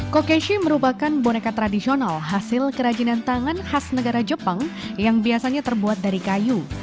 kokeshi merupakan boneka tradisional hasil kerajinan tangan khas negara jepang yang biasanya terbuat dari kayu